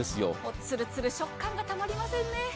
つるつる食感がたまりませんね。